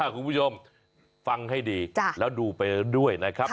คุณผู้ชมฟังให้ดีแล้วดูไปด้วยนะครับ